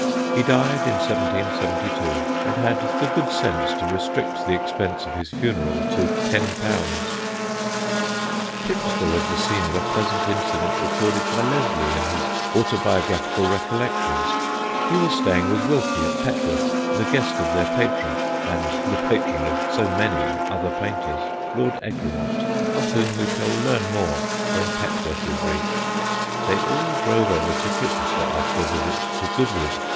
He died in 1772 and had the good sense to restrict the expense of his funeral to ten pounds. [Sidenote: WILKIE'S BUMPS] Chichester was the scene of a pleasant incident recorded by Leslie in his Autobiographical Recollections. He was staying with Wilkie at Petworth, the guest of their patron, and the patron of so many other painters, Lord Egremont, of whom we shall learn more when Petworth is reached. They all drove over to Chichester after a visit to Goodwood.